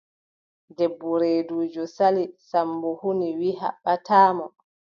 Debbo reeduujo Sali, Sammbo huni wiʼi haɓɓataa mo.